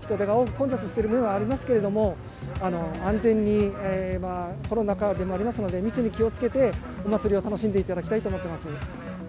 人出が多く混雑している部分はありますけど、安全に、コロナ禍でもありますので、密に気をつけて、お祭りを楽しんでいただきたいと思っています。